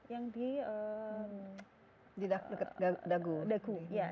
yang di daku